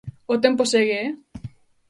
O tempo segue, ¡eh!